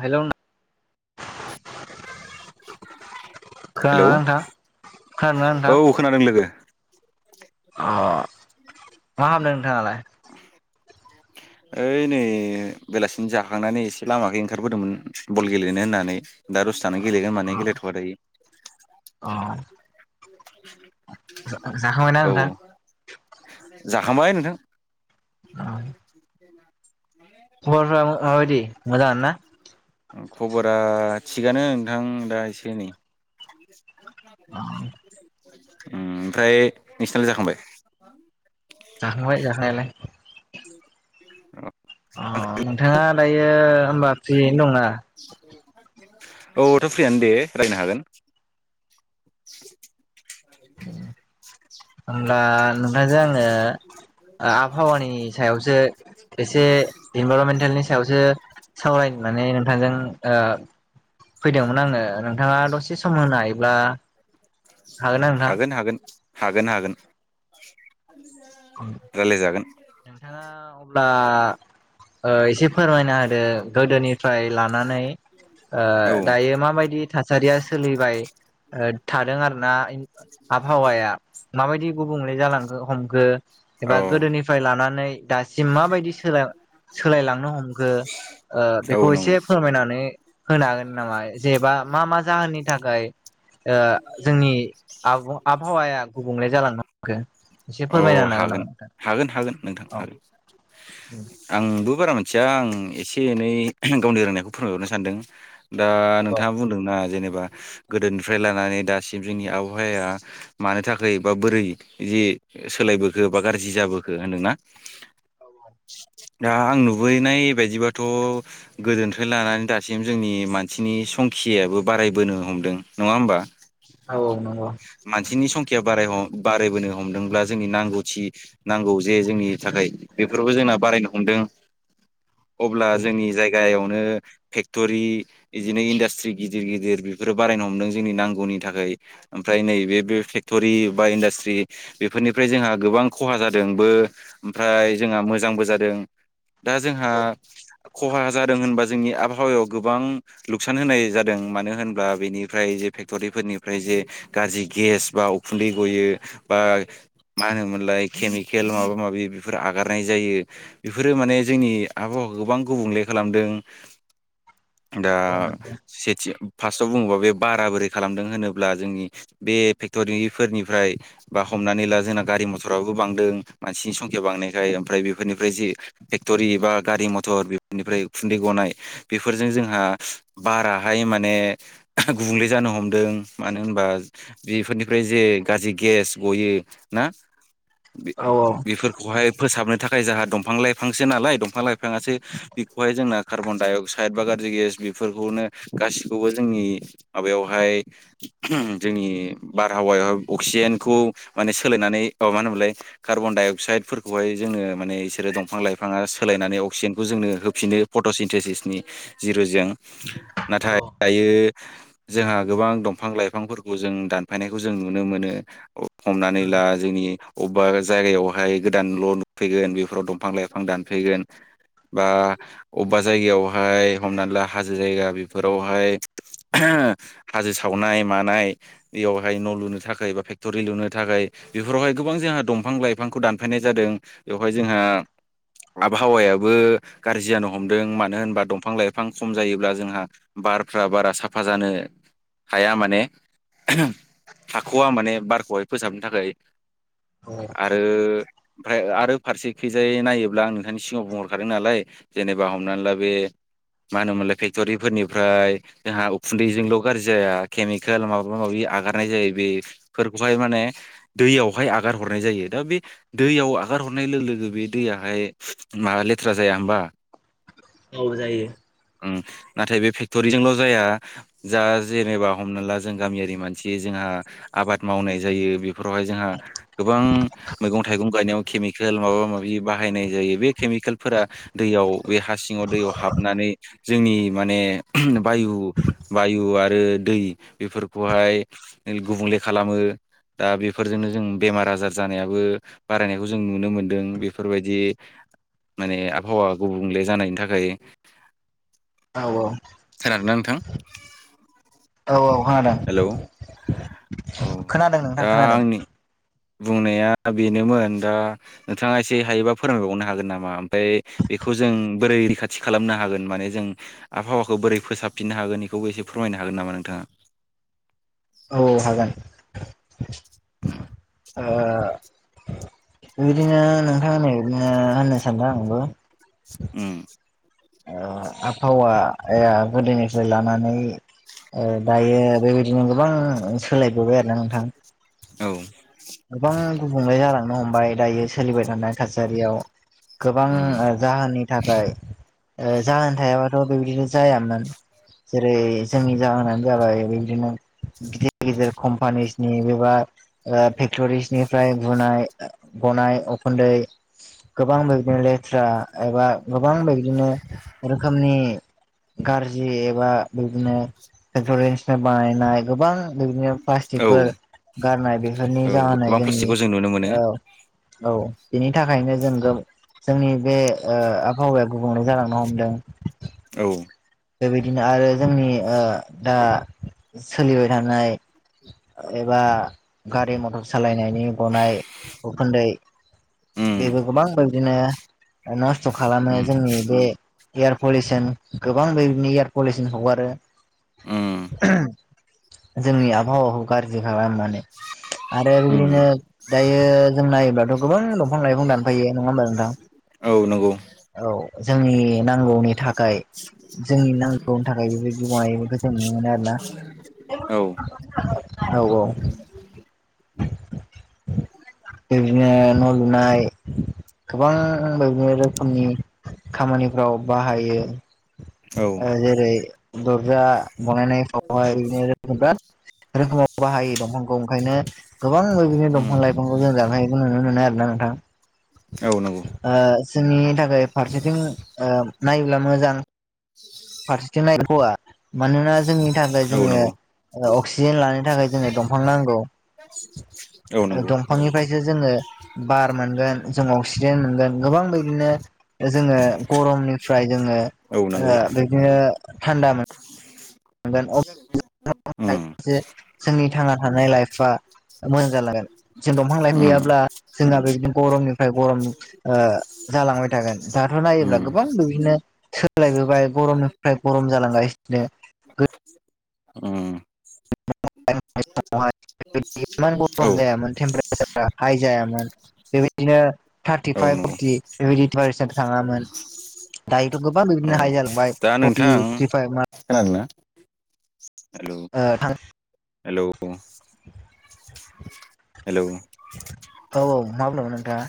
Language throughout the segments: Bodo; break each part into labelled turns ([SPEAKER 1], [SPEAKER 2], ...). [SPEAKER 1] हेल'
[SPEAKER 2] [inaudible] हेलौ
[SPEAKER 1] खोनादोंना नोंथां
[SPEAKER 2] [inaudible]
[SPEAKER 1] खोनादोंना नोंथां
[SPEAKER 2] औ खोनादों लोगो
[SPEAKER 1] अ मा खामदों नोंथाङालाय? [inaudible]
[SPEAKER 2] ओइ नै बेलासिनि जाखांनानै एसे लामाखै ओंखारबोदोंमोन बल गेलेनो होननानै दा दसे थाना गेलेगोन माने गेलेथ'वा दायो
[SPEAKER 1] अ
[SPEAKER 2] [inaudible]
[SPEAKER 1] जाखांबायना
[SPEAKER 2] औ
[SPEAKER 1] नोंथां
[SPEAKER 2] जाखांबाय नोंथां
[SPEAKER 1] अ खबरफ्रा माबादि मोजाङोना
[SPEAKER 2] खबरा थिगानो नोंथां दा एसे एनै
[SPEAKER 1] अ
[SPEAKER 2] [inaudible] ओमफ्राय नोंसिनालाय जाखांबाय
[SPEAKER 1] जाखांबाय जाखांनायालाय
[SPEAKER 2] औ
[SPEAKER 1] अ नोंथाङा दायो होमबा फ्रियैनो दंना?
[SPEAKER 2] [inaudible] औ दा फ्रियानो दे रायलायनो हागोन [inaudible]
[SPEAKER 1] होमब्ला नोंथांजों आङो आबहावानि सायावसो एसे
[SPEAKER 2] [inaudible]
[SPEAKER 1] इनभारमेन्टेलनि सायावसो सावरायनो होननानै नोंथांजों ओ फैदोंमोन आङो नोंथाङा दसे सम होनो हायोब्ला ना नोंथां?
[SPEAKER 2] हागोन हागोन हागोन हागोन रायलायजागोन
[SPEAKER 1] नोंथाङा अब्ला ओ एसे फोरमायना होदो गोदोनिफ्राय लानानै ओ
[SPEAKER 2] औ
[SPEAKER 1] दायो माबायदि थासारिया सोलिबाय थादों आरोना आबहावाया माबायदि गुबुंले जालांखो हमखो
[SPEAKER 2] औ
[SPEAKER 1] एबा गोदोनिफ्राय लानानै दासिम माबायदि सोलाय सोलायलांनो हमखो ओ
[SPEAKER 2] औ
[SPEAKER 1] बेखौ
[SPEAKER 2] नंगौ
[SPEAKER 1] एसे फोरमायनानै होनो हागोन नामा जेनेबा मा मा जाहोननि थाखाय ओ जोंनि आबहावाया गुबुंले जालांंनो हमखो एसे
[SPEAKER 2] औ
[SPEAKER 1] फोरमायनानै
[SPEAKER 2] हागोन हागोन हागोन नोंथां हागोन आंबो बारा मिथिया आं एसे एनै गावनि रोंनायखौ फोरमायहरनो सानदों दा
[SPEAKER 1] औ
[SPEAKER 2] नोंथाङा बुंदोंना जेने बा गोदोनिफ्राय लानानै दासिम जोंनि आबहावाया मानो थाखाय बा बोरै जि सोलायबोखो बा गाज्रि जाबोखो होनदोंना
[SPEAKER 1] औ
[SPEAKER 2] दा आं नुुबैनायबायदिबथ' गोदोनिफ्राय लानानै दासि म जोंनि मानसिनि संखियाबो बारायबोनो हमदों नङा होमबा
[SPEAKER 1] औ नंगौ औ
[SPEAKER 2] मानसिनि बारायबोनो हमदोंब्ला जोंनि नांगौथि नांगौ जे जोंनि थाखाय बेफोरबो जों बारायनो हमदों
[SPEAKER 1] [inaudible]
[SPEAKER 2] अब्ला जोंनि जायगायावनो फेक्टरि बिदिनो इन्डास्ट्रि गिदिर गिदिर बेफोरो बारायनो हमदों जोंनि नांगौनि थाखाय ओमफ्राय पेक्ट'रि बा इन्दाष्ट्रि बेफोरनिफ्राय जोंहा गोबां खहा जादोंबो ओम फ्राय जोंहा मोजांबो जादों दा जोंहा खहा जादों होनबी जोंनि आब आबहावायाव गोबां लुकसान होनाय जादों मानो होनब्ला बेनिफ्राय जे फेक्ट'रिफोरनिफ्राय जे गाज्रि गेस बा उखुन्दै गयो बा मा होनोमोनलाय केमिकेल माबा माबि बेफोर आगारनाय जायो बेफोरो माने जोंनि आबहावाखौ गोबां गुबुंले खालामदों दा सेथि फार्स्टआव बुङोबा बे बारा बोरै खालामदों होनोब्ला जोंनि बे फेक्टरिफोरनिफ्राय बा हमनानै ला जोना गारि मथराबो बांदों मानसिनि संखया बांनायखाय ओमफ्राय बेफोरनिफ्राय जि फेक्ट'रि बा गारि मथर थर बेनिफ्राय उखुन्दै गनाय बेफोरजों जोंहा बाराहाय माने गुबुंले जानो हमदों मानो होनबा बेफोरनिफ्राय जे गाज्रि गेस गयो ना
[SPEAKER 1] औ
[SPEAKER 2] बेफोरखौहाय फोसाबनो थाखाय खाय जोंहा दंफां लाइफांसो नालाय दफां लाइफाङासो बेखौहाय जोंना कार्बनडाइअक्स अक्साद बा गाज्रि गेस बेफोरखौनो गासिखौबो जोंनि माबायावहाय [unintelligible] जोंनि बारहावायावहाय अक्सिजेनखौ माने सोलायनानै अ मा होनोमलाय कार्बन डाइ अक्साइड फोरखौहाय जोङो माने बिसोरो दंफां लाइफाङा सोलायनानै अक्सिजेनखौ जोंनो होफिनो फट'सिनट्रेसिसनि जिर' जों नाथाय दायो जोंहा गोबां दंफां लाइफांफोरखौ जों जों दानफायनायखौ जों नुनो मोनो हमनानै ला जोंनि अबेबा जायगायावहाय गोदानल' नुफैगोन बेफोराव दंफां लाइफां दानफैगोन बा अबेबा जायगायाव हाय हमना ला हाजो जायगा बेफोरावहाय हाजो सावनाय मानाय बेयावहाय न' लुनो थाखाय बा फेक्ट'रि लुनो थाखाय बेफोरावहाय गोबां जोंहा दंफां लाइफांखौ दानफैनाय जादों बेवहाय जोंहा आबहावायाबो गाज्रि जानो हमदों मानो होनबा दंफां लाइफां खम जायोब्ला जोंहा बारफ्रा बारा साफा जानो हाया माने [inaudible] थाख'वा माने बारखौहाय फोसाबनो थाखाय आरो ओमफ्राय आरो फारसे खैजायै नायोब्ला आं नोंथांनि सिगाङाव बुंहरखादों नालाय जेनेबा हमनानै ला बे मानो होनोमोनलाय फेक्ट'रिफोरनिफ्राय जोंहा उखुन्दैजोंल' गाज्रि जाया केमिकेल माबा माबि आगारनाय जायो बे बेफोरखौहाय माने दैयाव हाय आगार हरनाय जायो दा बे दैयाव खौ आगार हरनाय लोगो लोगो बे दैयाहाय मा लेथ्रा जाया होमबा
[SPEAKER 1] औ जायो
[SPEAKER 2] उम नाथाय बे फेक्ट'रिजोंल' जाया जा जेनेबा हमना ला जों गामियारि मानसि जोंहा जोंहा आबाद मावनाय जायो बेफोरावहाय जोंहा गोबां मैगं थाइगं गायनायाव केमिकेल माबा माबि बाहायनाय जायो बे केमिकेलफोरा दैयाव बे हा सिङाव दैयाव हाब नानै जोंनि माने बायु बायु आरो दै बेफोरखौहाय हाय गुबुंले खालामो दा बेफोरजोंनो जों बेमार आजार जानायाबो बारायनायखौ जों नुनो मोनदों बेफोरबायदि माने आबहावा गुबुंले जानायनि थाखाय।
[SPEAKER 1] औ औ
[SPEAKER 2] खोनादों ना नोंथां?
[SPEAKER 1] औ खोनादों
[SPEAKER 2] हेलौ, औ
[SPEAKER 1] खोनादों नोंथां
[SPEAKER 2] दा
[SPEAKER 1] खोनादों
[SPEAKER 2] आंनि बुंनाया बेनोमोन दा नोंथाङा एसे हायोबा फोरमायबावनो हागोन नामा ओमफ्राय बेखौ जों बोरै रैखाथि खालामनो हागोन माने जों आबहावाखौ बोरै फोसाबफिननो हागोन इखौबो एसे फोरमायनानै होनो हागोन नामा नोंथाङा?
[SPEAKER 1] [inaudible] औ औ हागोन
[SPEAKER 2] उम
[SPEAKER 1] ओ बिदिनो नोंथांमोनै बिदिनो होननो सानदों आंबो।
[SPEAKER 2] उम
[SPEAKER 1] ओ आबहावाया गोदोनिफ्राय लानानै ओ दायो बेबायदिनो गोबां सोलायबोबाय आरो ना नोंथां।
[SPEAKER 2] औ
[SPEAKER 1] गोबां गुबुंले जालांनो हमबाय दायो सोलिबाय थानाय थासारियाव गोबां
[SPEAKER 2] उम
[SPEAKER 1] ओ जाहोननि थाखाय ओ जाहोन थायाबाथ' बेबायदिनो जायामोन जेरै जोंनि जाहोनानो जाबाय बिदिनो गिदिर गिदिर कम्पानिसनि एबा ओ फेक्टरिसनिफ्राय गुनाय गनाय उखुन्दै गोबां बिदिनो लेथ्रा एबा गोबां बिदिनो रोखोमनि गार्जि एबा बिदिनो फेकथरिन्सनिफ्राय बानायनाय गोबां बिदिनो
[SPEAKER 2] औ
[SPEAKER 1] प्लास्टिकफोर गारनाय बेफोरनि
[SPEAKER 2] औ
[SPEAKER 1] जाहोनानाय
[SPEAKER 2] गोबां
[SPEAKER 1] जोंनि
[SPEAKER 2] प्लास्टिकखौ जों नुनो मोनो
[SPEAKER 1] औ ओ औ बिनि थाखायनो जों गो जोंनि बे ओ आबहावाया गुबुंले जालांनो हमदों।
[SPEAKER 2] औ
[SPEAKER 1] बेबायदिनो आरो जोंनि ओ दा सोलिबाय थानाय एबा गारि मथर सालायनायनि गनाय उखुनन्दै
[SPEAKER 2] उम
[SPEAKER 1] बेबो गोबां बेदिनो नस्थ' खालामो
[SPEAKER 2] उम
[SPEAKER 1] जोंनि बे एयार पलिउसन गोबां बेबायनो एयार पलिउसन हगारो
[SPEAKER 2] उम
[SPEAKER 1] [unintelligible] जोंनि आबहावाखौ गाज्रि खालामो माने आरो
[SPEAKER 2] उम
[SPEAKER 1] बिदिनो दायो जों नायोब्लाथ' गोबां दंफां लाइफां दानफायो। नङा होमबा नोंथां?
[SPEAKER 2] औ नंगौ
[SPEAKER 1] औ जोंनि नांगौनि थाखाय खाय जोंनि नांगौनि थाखाय बेबायदि मावानायखौ जों नुनो मोनो आरो ना।
[SPEAKER 2] औ
[SPEAKER 1] औ औ [inaudible] औ [unintelligible] लुनाय गोबां बादिनो रोखोमनि खामानिफ्राव बाहायो।
[SPEAKER 2] औ
[SPEAKER 1] ओ जेरै दर्जा बानायफाव [unintelligible] रोखोमाव बाहायो दंफांखौ ओंखायनो गोबां बिदिनो
[SPEAKER 2] उम
[SPEAKER 1] दंफां लाइफांखौ जों जानो हायो बुङो। नुनो आरोना नोंथां।
[SPEAKER 2] औ नंगौ।
[SPEAKER 1] ओ जोंनि थाखाय फारसेथिं ओ नायोब्ला मोजां फारसेथिं [unintelligible] मानोना जोंनि थाखाय
[SPEAKER 2] औ
[SPEAKER 1] जोङो
[SPEAKER 2] नंगौ
[SPEAKER 1] ओ अक्सिजेन लानो थाखाय जोंनो दंफां नांगौ
[SPEAKER 2] औ नंगौ
[SPEAKER 1] जे जोङो बार मोनगोन जों अक्सिजेन मोनगोन गोबां बिदिनो जोङो गरमनिफ्राय जोङो
[SPEAKER 2] औ
[SPEAKER 1] ओ
[SPEAKER 2] नंगौ
[SPEAKER 1] बिदिनो थान्दा मोन
[SPEAKER 2] बिदिसो जागोननो।
[SPEAKER 1] जोंनि थांना थानाय लाइफआ। ओ मोजां जालांगोन जों दंफां लाइफां
[SPEAKER 2] उम
[SPEAKER 1] गैयाब्ला जोंहा बेबायदिनो गरमनिफ्राय गरम ओ जालांबाय थागोन दाथ' नायोब्ला
[SPEAKER 2] उम
[SPEAKER 1] गोबां बिदिनो सोलायबोबाय गरमनिफ्राय गरम जालांगासिनोनो। गोद
[SPEAKER 2] उम
[SPEAKER 1] गोदोनि
[SPEAKER 2] [inaudible]
[SPEAKER 1] [unintelligible] इमान
[SPEAKER 2] औ
[SPEAKER 1] गरम जायामोन टेमपारेसारा हाइ जायामोन। बेबायदिनो
[SPEAKER 2] औ
[SPEAKER 1] थार्टिफाइभ
[SPEAKER 2] नंगौ
[SPEAKER 1] फरटि बेबायदिद्राय हिसाब थांङामोन। दायोथ' गोबा
[SPEAKER 2] औ
[SPEAKER 1] बिदिनो हाइ जालांबाय
[SPEAKER 2] दा
[SPEAKER 1] फटि
[SPEAKER 2] नोंथां
[SPEAKER 1] थ्रि फाइभ मान
[SPEAKER 2] हेलौ
[SPEAKER 1] ओ थां
[SPEAKER 2] हेलौ हेलौ
[SPEAKER 1] औ औ मा बुंदोंमोन नोंथा।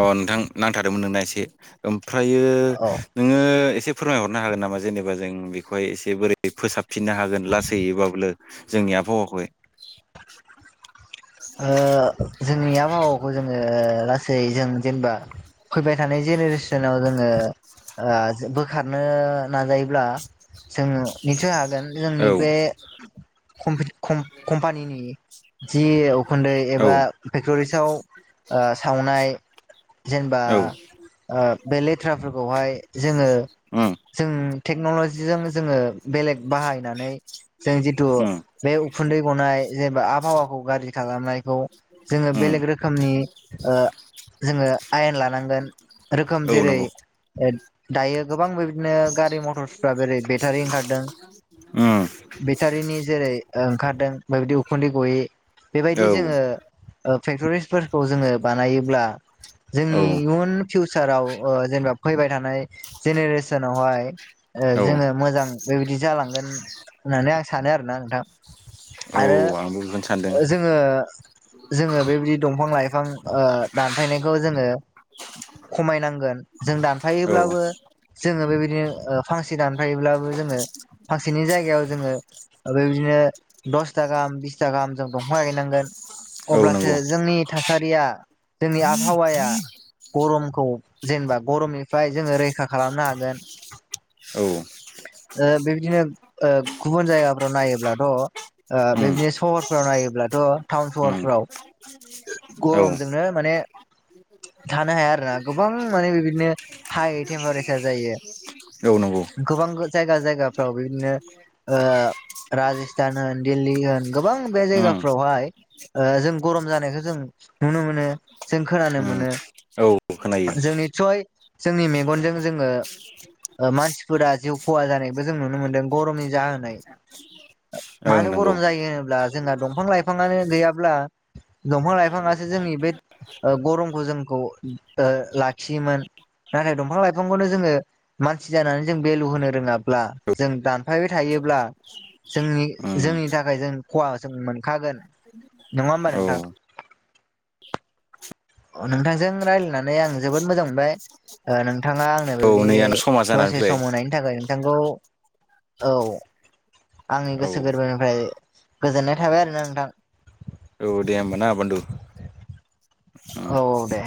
[SPEAKER 2] अ नोंथां नांथादोंमोन नोंना एसे ओमफ्रायो
[SPEAKER 1] औ
[SPEAKER 2] नोङो एसे फोरमायहरनो हागोन नामा जेनेबा जों बेखौहाय एसे बोरै फोसाबफिननो हागोन लासैयोब्लाबो जोंनिया दाबो आवाखै।
[SPEAKER 1] ओ जोंनि आबहावाखौ जोङो लासै जों जेनेबा फैबाय थानाय जेनेरेसनाव जोङो ओ बोखारनो नाजायोब्ला जोङो निसु हा गोन
[SPEAKER 2] औ
[SPEAKER 1] जोंनि बे कम-कमपानिनि जि उन्दै
[SPEAKER 2] औ
[SPEAKER 1] एबा फेक्ट'रिसआव ओ सावनाय जेनेबा
[SPEAKER 2] औ
[SPEAKER 1] बे लेथ्राफोरखौहाय जोङो
[SPEAKER 2] उम
[SPEAKER 1] जों टेक्नल'जिजों जोङो बेलेग बाहायनानै जों जिथु
[SPEAKER 2] उम
[SPEAKER 1] बे उखुन्दै गनाय जेनेबा आबहावाखौ गाज्रि खालामनायखौ जोङो
[SPEAKER 2] उम
[SPEAKER 1] बेलेग रोखोमनि ओ जोङो आयेन लानांगोन रोखोम
[SPEAKER 2] औ
[SPEAKER 1] जेरै
[SPEAKER 2] नंगौ
[SPEAKER 1] ओ दायो गोबां बेबादिनो गारि मटरसफ्रा जेरै बेटारि ओंखारदों।
[SPEAKER 2] उम
[SPEAKER 1] बेटारिनि जेरै ओंखारदों बेबायदि उखुन्दै गयै बेबायदि
[SPEAKER 2] औ
[SPEAKER 1] जोङो फेक्ट'रिसफोरखौ जोङो बानायोब्ला
[SPEAKER 2] औ
[SPEAKER 1] जोंनि इयुन फिउचाराव जेनेबा फैबाय थानाय जेनेरेसनावहाय
[SPEAKER 2] औ
[SPEAKER 1] जोङो मोजां बेबायदि जालांगोन। होननानै आं सानो आरोना नोंथां।
[SPEAKER 2] औ
[SPEAKER 1] आरो
[SPEAKER 2] आंबो बुंनो सानो।
[SPEAKER 1] जोङो जोङो बेबायदि दंफां लाइ फां ओ दानफायनायखौ जोङो खमायनांगोन। जों
[SPEAKER 2] औ
[SPEAKER 1] दानफायोब्लाबो जोङो बेबायदि नो ओ फांसे दानफायोब्लाबो जोङो फांसेनि जायगायाव जोङो ओ बेबायदिनो दसथा गाहाम बिसथा गाहाम जों दंफां गायनांगोन
[SPEAKER 2] औ
[SPEAKER 1] अब्लासो
[SPEAKER 2] नंगौ
[SPEAKER 1] जोंनि थासारिया जोंनि आबहावाया गरमखौ जेनेबा गरमनिफ्राय जोङो रैखा खालामनो हागोन।
[SPEAKER 2] औ
[SPEAKER 1] ओ बेबा दिनो गुबुन जायगाफ्राव नायोब्लाथ'
[SPEAKER 2] उम
[SPEAKER 1] बेदिनो सहर फ्रावनायोब्लाथ' टाउन
[SPEAKER 2] उम
[SPEAKER 1] सहरफ्राव
[SPEAKER 2] औ
[SPEAKER 1] गरमजोंनो माने थानो हाया आरोना गोबां माने बिदिनो हाइ टेम्पारेसार जायो।
[SPEAKER 2] औ नंगौ
[SPEAKER 1] गोबां जायगा जायगाफ्राव बिदिनो ओ राजस्थान होन दिल्ली होन गोबां बे
[SPEAKER 2] उम
[SPEAKER 1] जायगाफ्रावहाय जों गरम जानाय खो जों नुनो मोनो जों खोनानो
[SPEAKER 2] उम
[SPEAKER 1] मोनो।
[SPEAKER 2] औ खोनायो
[SPEAKER 1] जों निस्सय जोंनि मेगनजों जोङो ओ मानसिफोरा जिउ खहा जानायबो जों नुनो मोनदों गरमनि जाहोनै।
[SPEAKER 2] ओं
[SPEAKER 1] मानो
[SPEAKER 2] नंगौ
[SPEAKER 1] गरम जायो होनोब्ला जोंहा दंफां लाइफाङानो गैयाब्ला दंफां लाइफाङासो जोंनि बे गरमखौ जोंखौ लाखियोमोन। नाथाय दंफां लाइफांखौनो जोङो मानसि जानानै जों भेलु होनो रोङाब्ला जों दानफायबाय थायो ब्ला जोंनि
[SPEAKER 2] उम
[SPEAKER 1] जोंनि थाखाय जों खहा जों मोनखागोन। नङा होमा
[SPEAKER 2] औ
[SPEAKER 1] नोंथां? अ नोंथांजों रायलायनानै आं जोबोद मोजां मोनबाय ओ नोंथाङा आंनो
[SPEAKER 2] औ नै आंना समा
[SPEAKER 1] बेबायदि
[SPEAKER 2] जानानै
[SPEAKER 1] दसे
[SPEAKER 2] फैबाय
[SPEAKER 1] सम होनायनि थाखाय नोंथांखौ औ आंनि
[SPEAKER 2] औ
[SPEAKER 1] गोसो गोरबोनिफ्राय गोजोननाय थाबाय आरोना नोंथां।
[SPEAKER 2] औ दे होमबा ना बुन्दु।
[SPEAKER 1] औ औ दे।